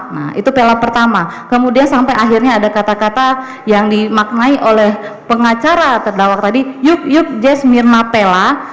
nah itu pela pertama kemudian sampai akhirnya ada kata kata yang dimaknai oleh pengacara terdawak tadi yuk yuk jes pela itu apa ya